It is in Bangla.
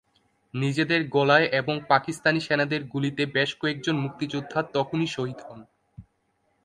নিজেদের গোলায় এবং পাকিস্তানি সেনাদের গুলিতে বেশ কয়েকজন মুক্তিযোদ্ধা তখনই শহীদ হন।